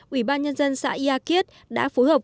ủy ban nhân dân xã eakit đã phối hợp